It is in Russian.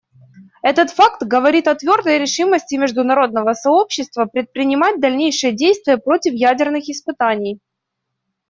Этот факт говорит о твердой решимости международного сообщества предпринимать дальнейшие действия против ядерных испытаний.